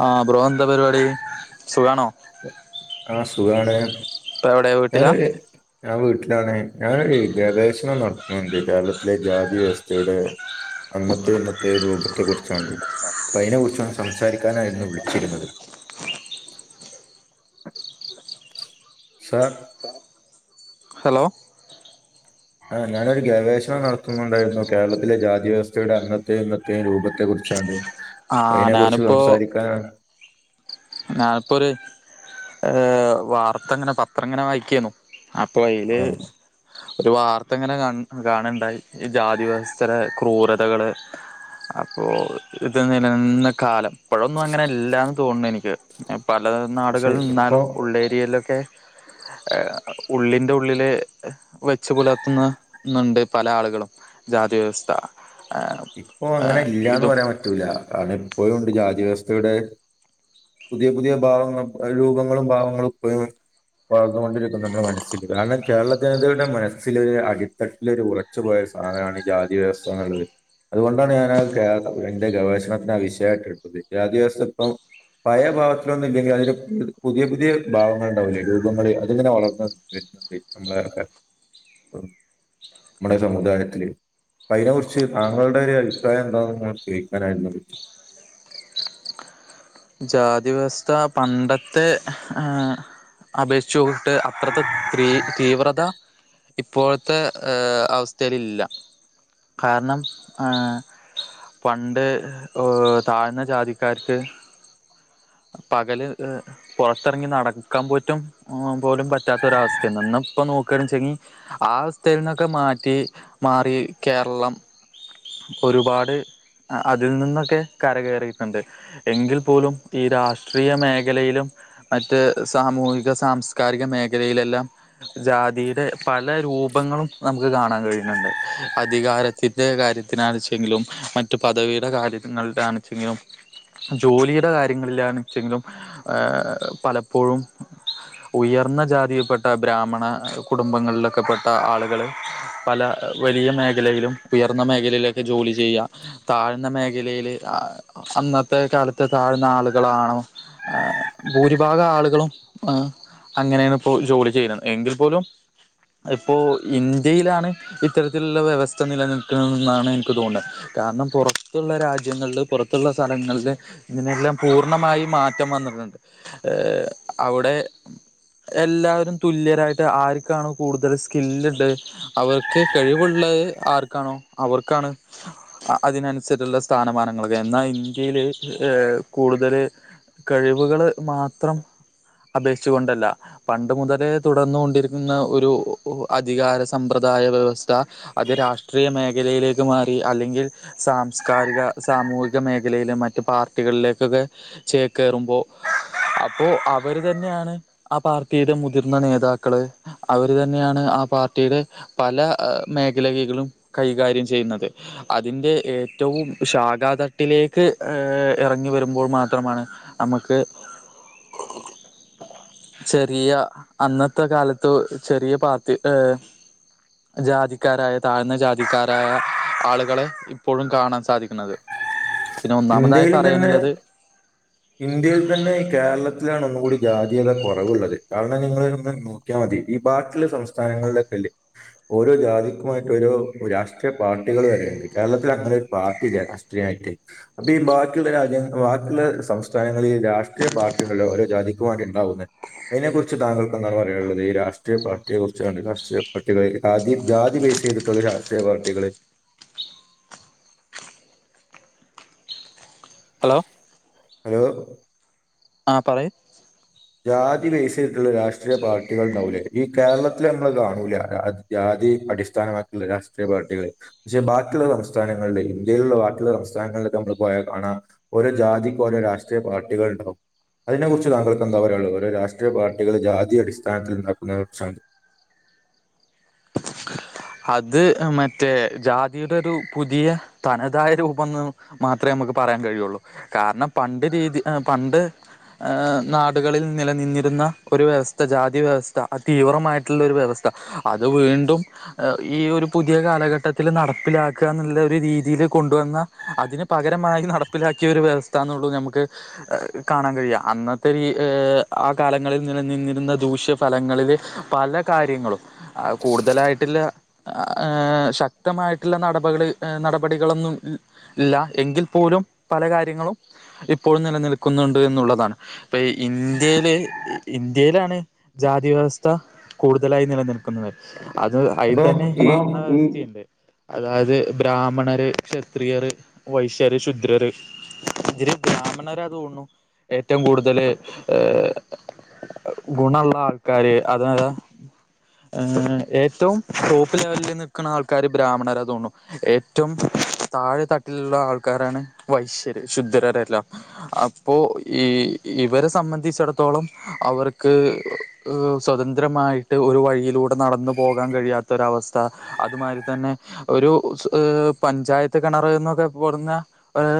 ആഹ bro ന്താ പരിപാടി സുഖാണോ? ആ സുഖാണ് ഇപ്പ എവിടെ വീട്ടിലാ ഞാന് ഞാൻ വീട്ടിൽ- ഞാനൊ ഗവേഷണം നടത്തുന്നുണ്ട് കേരളത്തിലെ ജാതി വ്യവസ്ഥയുടെ- അന്നത്തെ ഇന്നത്തെ രൂപത്തെ കുറിച്ചണ്ട് അ അതിനെ കുറിച്ചാണ് സംസാരിക്കാനായിരുന്നു വിളിച്ചിരുന്നത്. [unintelligible] സാർ ഹലോ ആ ഞാനൊരു ഗവേഷണം നടത്തുന്നുണ്ടായിരുന്നു. കേരളത്തിലെ ജാതിവ്യവസ്ഥയുടെ അന്നത്തെയും ഇന്നത്തെയും രൂപത്തെ കുറിച്ച്. ആ അതിനെ കുറിച്ച് സംസാരിക്കാൻ- ഞാനിപ്പോൊ ഒരു ഏ വാർത്ത എങ്ങനെ പത്രം എങ്ങനെ വായിക്കന്നു. അപ്പോ അയിൽ- ആഹ് ഒരു വാർത്ത ഇങ്ങനെ കാ കാണുണ്ടായി ഈ ജാതി വ്യവസ്ഥരെ ക്രൂരതകള്- അപ്പൊ ഇത് നിലനിന്ന കാലം ഇപ്പഴൊന്നും അങ്ങനെല്ലന്ന് തോന്നുന്നു എനിക്ക്. പല പക്ഷെ നാടുകളിൽ ഇപ്പോ നിന്നാലും ഉള്ളേരിയയിലൊക്കെ- [unintelligible] ഉള്ളിന്റെ ഉള്ളില് വെച്ചു പുലർത്തുന്നണ്ട് പല ആളുകളും. ജാതി വ്യവസ്ഥാ. ഇപ്പൊ അങ്ങനെ ഇല്ലന്ന് പറയാൻ പറ്റൂല കാരണം ഇപ്പോഴും ഉണ്ട് ജാതിവ്യവസ്ഥയുടെ- പുതിയ പുതിയ ഭാവങ്ങ രൂപങ്ങളും ഭാവങ്ങളും. അതുകൊണ്ടിരിക്ക നമ്മുടെ മനസ്സിൽ കാരണം. കേരള ജനതകളടെ മനസ്സൽ ഒരു അടിത്തട്ടില് ഒരു ഉറച്ചു പോയ ഒരു സാധനമാണ് ജാതി വ്യവസ്ഥ എന്നുള്ളത് അതുകൊണ്ടാണ് ഞാനത് എന്റെ ഗവേഷണത്തിന് ആ വിഷയമായിട്ട് എടുത്തത് ജാതി വ്യവസ്ഥ ഇപ്പം. പഴയ ഭാവത്തിലൊന്നും ഇല്ലെങ്കിൽ അതിന് പുതിയ പുതിയ ഭാവങ്ങൾ ഉണ്ടാവില്ലേ രൂപങ്ങള്ൾ അതിങ്ങെനെ - വളർന്ന് നമ്മളർക്ക നമ്മുടെ സമുദായത്തില് അപ്പ അതിനെ കുറിച്ച്- താങ്കളുടെ ഒരു അഭിപ്രായം എന്താെന്ന് നിൾ ചോദിക്കാനായിരുന്നു വിളിച്ചത്. ജാതി വ്യവസ്ഥ പണ്ടത്തെ അപേക്ഷു- അത്രത്തെ തീവ്രത- ഇപ്പോഴത്തെ അവസ്ഥയിലില്ല. കാരണം. പണ്ട് ഏ താഴ്ന്ന ജാതിക്കാർക്ക്- പകല് പുറത്തിറങ്ങി നടക്കാൻ പറ്റും പോലും പറ്റാത്തൊരവസ്ഥ നിന്നും - ഇപ്പ നോക്കാണെച്ചങ്കി ആ അവസ്തെന്ന് ഒക്കെ മാറ്റി മാറി കേരളം. ഒരുപാട് അതിൽ നിന്നൊക്കെ കരകയറിയിട്ടണ്ട് എങ്കിൽ പോലും- ഈ രാഷ്ട്രീയ മേഖലയിലും മറ്റ് സാമൂഹിക സാംസ്കാരിക മേഖലയിലെല്ലാം- ജാതിയുടെ പല രൂപങ്ങളും നമുക്ക് കാണാൻ കഴിയുന്നുണ്ട് അധികാരത്തിന്റെ കാര്യ- ണെങ്കിലും മറ്റു പതവിയുടെ കാര്യണെങ്കിലും ജോലിയുടെ കാര്യ- കയങ്ങളാന്ന് വെച്ചെങ്കിലും പലപ്പോഴും- ഉയർന്ന ജാതിയിൽപ്പെെട്ട ബ്രാഹ്മണ കുടുംബങ്ങളിലൊക്കെ പെട്ട ആളുകൾ പല- വലിയ മേഖലയിലും ഉയർന്ന മേഖലയിലൊക്കെ ജോലി ചെയ്യുക താഴ്ന്ന മേഖലയില് ആ- അന്നത്തെ കാലത്തെ താഴെ- ആളുകളാണോ ഭൂരിഭാഗ ആളുകളും. അങ്ങനെയാണ് ഇപ്പോ ജോലി ചെയ്യുന്നത് എങ്കിൽ പോലും- ഇപ്പോ ഇന്ത്യയിലാണ് ഇത്തരത്തിലുള്ള വ്യവസ്ഥ നിലനിൽക്കുന്നത് എന്നാണ് എനിക്ക് തോന്നുന്നത്. കാരണം പുറത്തുള്ള രാജ്യങ്ങളില് പുറത്തുള്ള സ്ഥലങ്ങളില്- ഇതിനെല്ലാം പൂർണമായും മാറ്റം വന്നിട്ട്ണ്ട് അവിടെ. എല്ലാവരും തുല്യരായിട്ട് ആർക്കാണ് കൂടുതൽ സ്കില്ല്ള്ളത് അവർക്ക് കഴിവുള്ള- അ് ആർക്കാണോ അവർക്കാണ് അ അതിനനുസര്ച്ചുള്ള സ്ഥാനമാനങ്ങള് എന്നാ ഇന്ത്യൽ- ഏ കൂടുതല് കഴിവുകള് മാത്രം. അപേക്ഷിച്ചു കൊണ്ടല്ല പണ്ട് മുതലേ തുടർന്നുകൊണ്ടിരിക്കുന്ന ഒരു അധികാര സമ്പ്രദാ ദായ വ്യവസ്ഥ അത് രാഷ്ട്രീയ മേഖലയിലേക്ക് മാറി അല്ലെങ്കിൽ സാംസ്കാരിക സാം സാമൂഹിക മേഖലയിലും മറ്റ് പാർട്ടികളിലേക്കൊക്കെ ചേ കയറുമ്പോൾ അപ്പോ അവര് തന്നെയാണ് ആ പാർട്ടിയുടെ മുതിർന്ന നേതാക്കള് അവര് തന്നെയാണ് ആ പാർട്ടിയുടെ പല മേഖലകളും കൈകാര്യം ചെയ്യുന്നത് അതിന്റെ ഏറ്റവും ശാഖാ തട്ടിലേക്ക് ഇറങ്ങി വരുമ്പോൾ മാത്രമാണ് അമുക്ക്. ചെറിയ അന്നത്തെ കാലത്ത ചെറിയ പാർട്ട ഏ ജാതിക്കാരായ താഴ്ന്ന ജാതിക്കാരായ ആളുകളെ ഇപ്പോഴും കാണാ സാധിക്കുന്നത് പിന്നെ ഒന്നാമതായി ഇന്ത്യയിൽ തന്നെ പറയാനുള്ളത്. ഇന്ത്യയിൽ തന്നെ കേരളത്തിലാണ്. ങ്ങണൂടി ജാതീയത കൊറവുള്ളത് കാരണം നിങ്ങളഒന്ന് നോക്കിയാ മതി ഈ ബാക്കിള്ള സംസ്ഥാനങ്ങളിലക്കെ ഓരോ ജാതിക്കുമായിട്ട്ഓരോ രാഷ്ട്രീയ പാർട്ടികൾ വരെണ്ട് കേരളത്തിൽ അങ്ങനെ ഒരു പാർട്ടില്ല ട് അയ്റ്റ് അപ്പൊ ഈ ബാക്കിയുള്ള രാജ്യങ്ങ ബാക്കിയുള്ള സം [unintelligible] രാഷ്ട്രീയ പാർട്ടികളിലോ ഓരോ ജാതിക്കും വേണ്ടി ഉണ്ടാവുന്നെ. അയ്നെ കുറിച്ച് താങ്കൾക്ക്ന്താണ് പറയാനുള്ളത് ഈ രാഷ്ട്രീയ പാർട്ടിയെ കുറിച്ചാണ് രാഷ്ട്രീയ പാട്ടികളിൽ അതി ജാതി ചെയ്തിട്ടുള്ള രാശ്ട്രീയ പാർട്ടികള്. ഹലോ. ഓ.. ആ പറയ്. ജാതി വേസയ്തിട്ടുള്ള രാഷ്ട്രീയ പാർട്ടികൾണ്ടാവൂലേ ഈ കേരളത്തിലമ്മള് കാണൂല അ അതി അടിസ്ഥാനമാക്കുള്ള രാഷ്ട്രീയ പാർട്ടികൾ ക്ഷെ ബാക്കിയുള്ള സംസ്ഥാനങ്ങളിൽ ഇന്ത്യയിലുള്ള ബാക്കിയുള്ള സംസ്ഥാനങ്ങ ള് കമ്മൾപോയാ കാണാം ഓരോ ജാതിക്കും ഓരോ രാഷ്ട്രീയ പാർട്ടികണ്ടാവും അതിനെ കുറിച്ച് താങ്കൾ ന്നരാൾ ഓരോ രാഷ്ട്രീയ പാർട്ടികൾ ജാതി അടിസ്ഥാനത്തിൽ നക്കുന്ന. [unintelligible] അത് മറ്റേ ജാതിയുടെ രു പുതിയ തനതായ രൂപംന്ന് മാത്രേ നമ പറയാൻ കഴിയുള്ളൂ. കാരണം പണ്ട് തി ത് അ പണ്ട്- ഏഹ നാടുകളിൽ നിലനിന്നിരുന്ന ഒരു വ്യവസ്ഥ ജാതി വ്യവസ്ഥ അതീവ്രമായിട്ടുള്ള ഒരു വ്യവസ്- ത അത് വീ ദു എ ഈ ഒരു പുതിയ കാലഘട്ടത്തിൽ നടപ്പിലാക്ക്യ ന്നുള്ള ഒരു രീതിയിൽ കൊണ്ടുവന്ന അ തിന് പകരമായി നടപ്പിലാക്കിയരു വ്യവസ്ഥാന്നുള്ളൂ നമുക്ക് അ കാണാകഴിയാ അന്നത്തെരു ഇ ഏ- അ് ആ കാലങ്ങളിൽ നിലനിന്നിരുന്ന ദൂഷ്യഫലങ്ങളില് പല കാര്യങ്ങളും ആ കൂടു തലായിട്ടുള്ള അ ആശക്തമായിട്ട് ള്ള നടപകള് എ നടപടികളൊന്നും ല്ല എങ്കിൽപോലും പല കാര്യങ്ങളും ഇപ്പോഴും നിലനിൽക്കുന്നുണ്ട് എന്നുള്ളതാണ്. ഇപ്പ ഇന്ത്യയിൽ ഇന്ത്യയിലാണ് ജാതി വ്യവസ്ഥ കൂടുതലായി നിലനിൽക്കുന്നത്. അത് അയിൽ അപ്പൊ തന്നെ അ [unintelligible] ന്ത്യണ്ട്. അതായത് ബ്രാഹ്മണര് ക്ഷത്രിയര് വൈശ്യര് ശുദ്രര്. ഇതിര് ബ്രാഹ്മണരാതതോണു ഏറ്റവും കൂടുതല് ഏഹ അ ഗുണള്ളാൾക്കാാര് അതതാ ഏ ഏറ്റവും ടോപ്പ് ലെവലിൽ നിൽക്ണാൾക്കാർ ബ്രാഹ്മണരാ തോണു. ഏറ്റവും താഴ് തട്ടിലുള്ള ആൾക്കാരാണ് വൈശര് ശുദ്ധരരെല്ലാം അപ്പോ ഈ ഇവരെ സംബന്ധിച്ചിടത്തോളം അവർക്ക് അ സ്വതന്ത്രമായിട്ട് ഒരു വഴിയിലൂടെ. ടെ നടന്ന്പോകാൻ കഴിയാത്ത രവസ്ഥ അത്മാരിതന്നെ ഒരു സ് ആ പഞ്ചായത്ത് ക ണർ ന്നൊക്കെ പുർന്ന ഒരു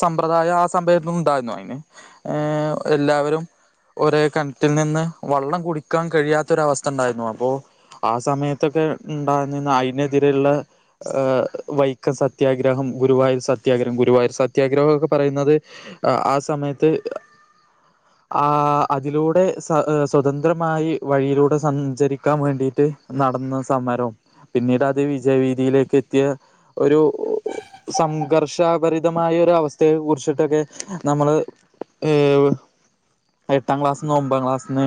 സമ്പ്രദായം ആ സമ്പയത്തിന്നു ണ്ടായിരുന്നു അയിന് ഏ എല്ലാവരും ഒരേ കെൺറ്റിൽ നിന്ന് വള്ളം കുടിക്കാൻ കഴിയാത്തൊരവസ്ഥ ണ്ടായിരുന്നു അപ്പോ- ആ സമയത്തൊക്കെ ണ്ടാവന്നേന്ന് അയ്നെതിരെള്ള ആ വൈക്കം സത്യാഗ്രഹം- അം ഗുരുവായൂർ സത്യാഗ്രഹം ഗുരുവായൂർ സത്യാഗ്രഹ ഒക്കെ പറയുന്നത് ആ സമയത്ത് ആ അതിലൂടെ സ സ്വതന്ത്രമായി വഴിയിലൂടെ സഞ്ചരിക്കാൻ വേണ്ടിയി ട്ട് നടന്ന സമരം പിന്നീടത് വിജയ വീദിയിലേക്കെത്തിയ ഒരു സംഘർഷാഭരിതമായ ഒര വസ്ഥയെ കുറിച്ചിട്ടൊക്കെ നമ്മള്. ഏവ്. എട്ടാം ക്ലാസ്സിന്ന് ഒമ്പാം ക്ലാസ്സിന്ന്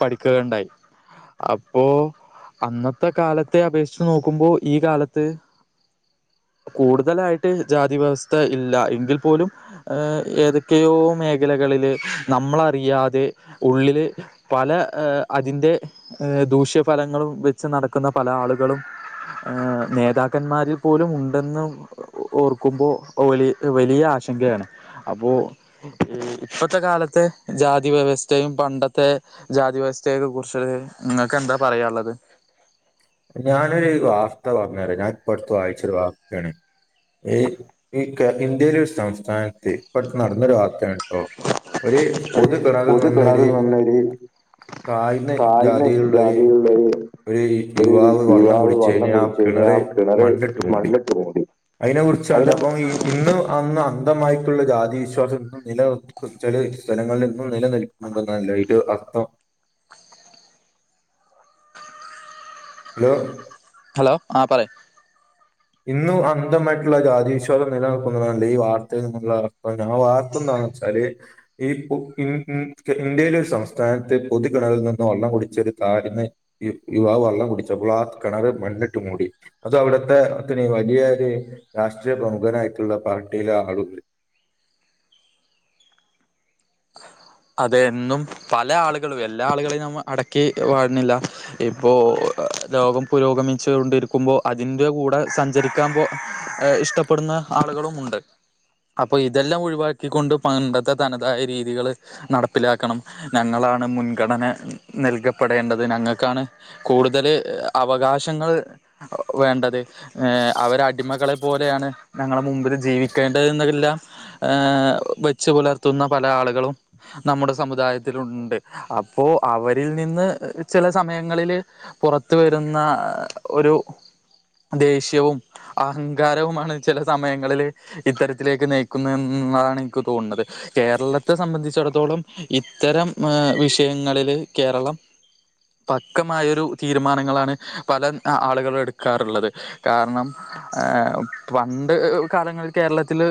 പഠിക്കുകയുണ്ടായി അപ്പോ അന്നത്തെ കാലത്തെ അപേക്ഷിച്ചു നോക്കുമ്പോ ഈ കാലത്ത് കൂടുതലായിട്ട് ജാതി വ്യവസ്ഥ ഇല്ല എങ്കിൽ പോലും ഏതെക്കെയോ മേഖലക ളില്. നമ്മളറിയാതെ ഉള്ളിൽ പല അതിന്റെ ദൂഷ്യ ഫലങ്ങളും വെച്ച് നടക്കുന്ന പല ആളുകളും ഏ നേതാക്കന്മാരിൽ പോലും ഉണ്ടെന്ന് ഓർക്കുമ്പോ വലി വലിയ ആ ശങ്കയാണ് അപ്പോ ഇപ്പത്തെ കാലത്തെ ജാതി വ്യവസ്ഥയും പണ്ടത്തെ ജാതി വ്യവ വസ്ഥയെക്കെ കുറിച്ചൊക്കെ ഇങ്ങക്ക് എന്താ പറയാൻ ഇള്ളത് ഞാനൊരു വാർത്ത പറഞ്ഞരാ ഞാൻ ഇപ്പട്ത്ത് വായിച്ചൊരു വാർത്തേണ് ഈ ഈ ഇന്ത്യയിലെ ഒരു സംസ്ഥാനത്ത് ഇപ്പട്ത്ത് നടന്നൊരു വാർത്തേണ് ഓ ഒര് ഒരു പൊതു കണറിൽ പൊതു കിണറ് നിന്നൊര് നിന്നൊരു താഴ്ന്ന ജാതിയിലുള്ളൊര് ഒര് ഒരു ഒരു യുവാവ് വള്ളം യുവാവ് വെള്ളം കുടിച്ചതിന് ആ കുടിച്ചതിന് കിണറ് ആ കിണറ് മണ്ണിട്ട് മൂടി മണ്ണിട്ട് മൂടി അതിനെ കുറിച്ചാണ്ട് അതിനെ അപ്പം ഇന്നും അന്നും അന്തമായിട്ടുള്ള ജാതി വിശ്വാസം ഇന്നും നിലനിർക്കുന്ന ചെല സ്ഥലങ്ങളിൽ ഇന്നും നിലനിൽക്കുന്നുണ്ട് അല്ലെ ഇതിന് അർത്ഥം ഹലോ ഹലോ ആ പറ ഇന്നും അന്തമായിട്ടുള്ള ജാതി വിശ്വാസം നിലനിൽക്കുന്നുന്നെല്ലേ ഈ വാർത്തയിൽന്നുള്ള അർത്ഥം ഞാൻ വാർത്തെന്താ ന്ന് വച്ചാല് ഈ ഇ ഇ ഇന്ത്യയിലെ ഒരു സംസ്ഥാനത്ത് പൊതു കിണറിൽ നിന്ന് വള്ളം കുടിച്ച താഴ്ന്ന യുവാവ് വള്ളം കുടിച്ചപ്പോൾ ആ കിണറ് മണ്ണിട്ട് മൂടി അത് അവിടത്തെ ത്തിന് വലിയൊരു രാഷ്ട്രീയ പ്രമുഖനായിട്ടുള്ള പാർട്ടിയിലെ ആളുകൾ അതെ ഇന്നും പല ആളുകളും എല്ലാ ആളുകളെയും നമ്മൾ അടക്കി വാഴുന്നില്ല ഇപ്പോ ലോകം പുരോഗമിച്ചു കൊണ്ടിരിക്കുമ്പോൾ അതിന്റെ കൂടെ സഞ്ചരിക്കാൻ ഇപ്പൊ ഇഷ്ടപ്പെടുന്ന ആളുകളും ഉണ്ട് അപ്പൊ ഇതെല്ലാം ഒഴിവാക്കിക്കൊണ്ട് പണ്ടത്തെ തനതായ രീതികള് നടപ്പിലാക്കണം ഞങ്ങളാണ് മുൻഗണന നൽകപ്പെടേണ്ടത് ഞങ്ങൾക്കാണ് കൂ കൂട്തല് അവകാശങ്ങൾ വേണ്ടത് അവരടിമകളെ പോലേണ് ഞങ്ങളെ മുമ്പിൽ ജീവിക്കേണ്ടത് എന്നെല്ലാം ഏ വച്ചു പുലർത്തുന്ന പല ആളുകളും നമ്മുടെ സമുദായത്തിലുണ്ട് അപ്പോ അവരിൽ നിന്ന് ചില സമയങ്ങളില് പുറത്ത് വരുന്ന ഒരു ദേഷ്യവും അഹങ്കാരവുമാണ് ചില സമയങ്ങളില് ഇത്തരത്തിലേക്ക് നയിക്കുന്നത് എന്നുള്ളതാണ് എനിക്ക് തോന്നുന്നത് കേരളത്തെ സംബന്ധിച്ചിടത്തോളം ഇത്തരം ഏ വിഷയങ്ങളില് കേരളം പക്കമായൊരു തീരുമാനങ്ങളാണ് പല ആളുകളും എടുക്കാറുള്ളത് കാരണം ഏ പണ്ട് കാലങ്ങളിൽ കേരളത്തില്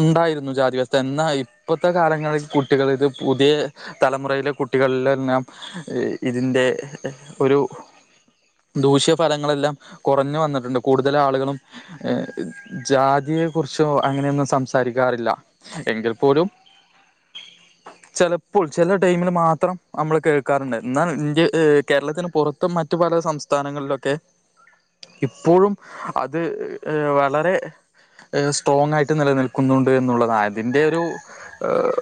ഉണ്ടായിരുന്നു ജാതി വ്യവസ്ഥ എന്നാ ഇപ്പ ത്തെ കാലങ്ങളിൽ കുട്ടികള് ഇത് പുതിയ തലമുറയിലെ കുട്ടികളിലെന്നെ ഇതിൻ്റെ ഒരു ദൂഷ്യ ഫലങ്ങളെല്ലാം കുറഞ്ഞു വന്നിട്ടുണ്ട് കൂടുതൽ ആളുകളും ഏ ജാതി യെ കുറിച്ചോ അങ്ങനെയൊന്നും സംസാരിക്കാറില്ല എങ്കിൽ പോലും ചെലപ്പോൾ ചെല ടൈമിൽ മാത്രം നമ്മൾ കേൾക്കാറുണ്ട് എന്നാൽ ഇന്ത്യ കേരളത്തിന് പുറത്തും മറ്റു പല സംസ്ഥാനങ്ങളിലൊക്കെ ഇപ്പോഴും അത് വളരെ സ്ട്രോങ് ആയിട്ട് നിലനിൽക്കുന്നുണ്ട് എന്നുള്ളതാ അതിൻറെ ഒരു ഏഹ്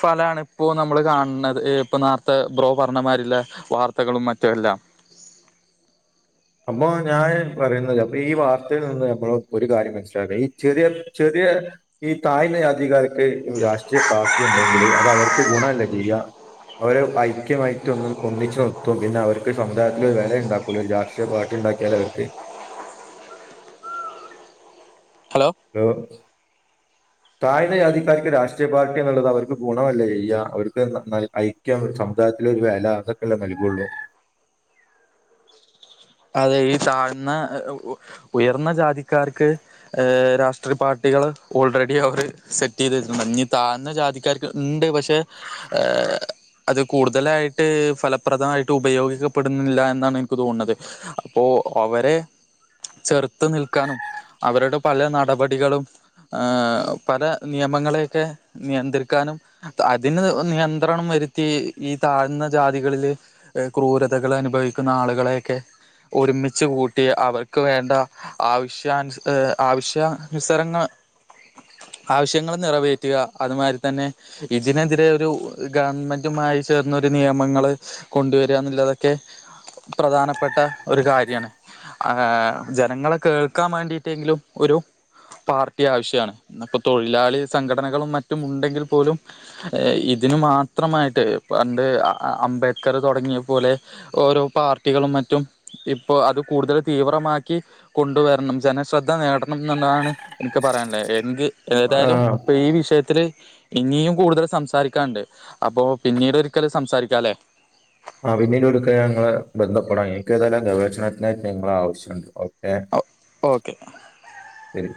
ഫലാണ് ഇപ്പോ നമ്മള് കാണുന്നത് ഇപ്പൊ നോർത്തെ ബ്രോ പറഞ്ഞമാരില്ലൊ വാർത്തകളും മറ്റ് എല്ലാം [inaudible] അപ്പോ ഞാൻ പറയുന്നത് അപ്പൊ ഈ വാർത്തയിൽ നിന്ന് നമ്മള് ഒരു കാര്യം മനസ്സിലാക്ക ഈ ചെറിയ ചെറിയ റ്റോ ഈ താഴ്ന്ന ജാതിക്കാര് ക്ക്‌ രാഷ്ട്രീയ പാർട്ടി ഇണ്ടങ്കില് അത് അവർക്ക് ഗുണല്ലെ ചെയ്യ അവരെ ഐക്യമായിട്ട് ഒ ഒന്നിച്ചച്ച് നിർത്തും പിന്നെ അവർക്ക് സമുദായത്തിന് ഒരു വെലയുണ്ടാക്കൂല ലാസ്റ്റ് പക്ഷേ പാർട്ടിണ്ടാക്കിയൽ അവർക്ക് ഹലോ താഴ്ന്ന ജാതിക്കാർക്ക് രാഷ്ട്രീയ പാർട്ടി എന്നുള്ളത് അവർക്ക് ഗുണമല്ല ചെയ്യ അവർക്ക് ഐക്യം ഒരു സമുദായ അല്ല ഒരു വെല അതൊക്കെല്ലെ നൽകെള്ളൂ അതെ ഈ താഴ്ന്ന ഉയർന്ന ജാതിക്കാർക്ക് ഹ് രാഷ്ട്രീയ പാർട്ടി കുട്ടികൾ ഓൾറെഡി അവർ സെറ്റ്ചെയ്ത് വെച്ചിട്ടുണ്ട് ഈ താഴ്ന്ന ജാതിക്കാർക്ക് ഉണ്ട് പക്ഷെ അത് കൂടുതലായിട്ട് ഫലപ്രദമായിട്ട് ഉപയോഗിക്കപ്പെടുന്നില്ല എന്നാണ് എനിക്ക് തോന്നുന്നത് അപ്പോ അവരെ ചെറുത്ത് നിൽക്കാനും അവരുടെ പല നടപടികളും പല നിയമങ്ങളെയൊക്കെ നിയന്ത്രിക്കാനും അതിന് നിയന്ത്രണം വെക്ക രുത്തി ഈ താഴ്ന്ന ജാതികളിൽ ക്രൂരതകള് അനുഭവിക്കുന്ന ആളുകളെയൊക്കെ ഒരുമിച്ച് കൂട്ടി അവർക്ക് വേണ്ട ആവശ്യാനു ആവശ്യാനുസരങ്ങ ആ ആവശ്യങ്ങൾ നിറവേറ്റുക അതുമാതിരി തന്നെ ഇതിനെതിരെ ഒരു ഗവൺമെന്റുമായി ചേർന്ന ഒരു നിയമങ്ങൾ കൊണ്ടുവര എന്നുള്ള തൊക്കെ പ്രധാനപ്പെട്ട ത്ത ഒരു കാര്യാണ് ജനങ്ങളെ കേൾക്കാൻ വേണ്ടിട്ടെങ്കിലും ഒരു പാർട്ടി ആവശ്യാണ് ഇപ്പൊ തൊഴിലാളി സംഘടനകളും മറ്റും ഉണ്ടങ്കിൽ പോലും ഇതിന് മാത്രമായിട്ട് പണ്ട് അംബേദ്കർ തുടങ്ങിയ പോലെ ഓരോ പാർട്ടികളും മറ്റും ഇപ്പോ അത് കൂടുതൽ തീവ്രമാക്കി കൊണ്ടുവരണം ജനശ്രദ്ധ നേടണന്നുള്ളതാണ് എനിക്ക് പറയാനുല്ലേ എന്ത് ആ ഏതായാലും ഇപ്പ ഈ വിഷയത്തില് ഇനിയും കൂടുതൽ സംസാരിക്കാണ്ട് അപ്പൊ പിന്നീട് ഒരിക്കൽ സംസാരിക്കാല്ലേ ആ പിന്നീട് എടുക്ക നിങ്ങളെ ബന്ധപ്പെടാം എനിക്ക് ഏതായാലും ഗവേഷണത്തിനായി നിങ്ങളെ ആവശ്യണ്ട് ഏ ഓക്കെ ശരി